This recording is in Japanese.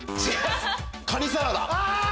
カニサラダ。